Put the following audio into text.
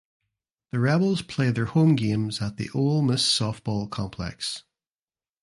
The Rebels play their home games at the Ole Miss Softball Complex.